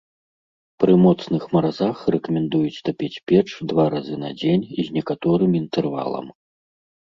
Пры моцных маразах рэкамендуюць тапіць печ два разы на дзень з некаторым інтэрвалам.